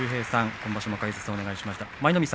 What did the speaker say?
今場所も解説をお願いしました。